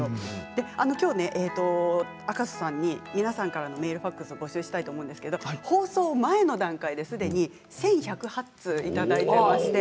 今日、赤楚さんに皆さんからメール、ファックスを募集したいと思うんですが放送前の段階ですでに１１０８通いただいています。